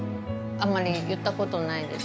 あんまり言ったことないです。